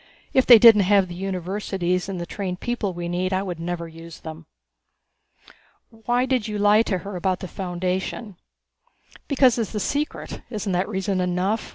If they didn't have the universities and the trained people we need I would never use them." "Why did you lie to her about the Foundation?" "Because it's a secret isn't that reason enough?"